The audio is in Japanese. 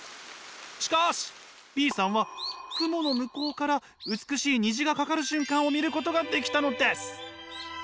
しかしＢさんは雲の向こうから美しい虹がかかる瞬間を見ることができたのです。